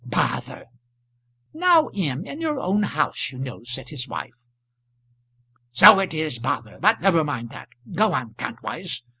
"Bother!" "Now M., in your own house, you know!" said his wife. "So it is bother. But never mind that. Go on, Kantwise.